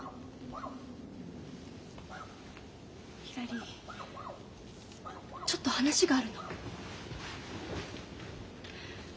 ひらりちょっと話があるの。